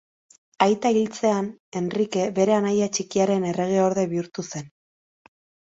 Aita hiltzean Henrike bere anaia txikiaren erregeorde bihurtu zen.